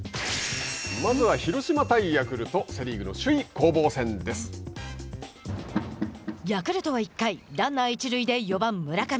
まずは広島対ヤクルトヤクルトは１回ランナー一塁で４番村上。